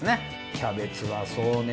キャベツはそうね。